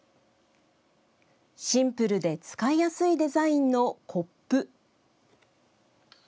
シンプルで使いやすいデザインのコップ。